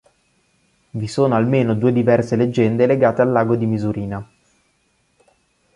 Vi sono almeno due diverse leggende legate al lago di Misurina.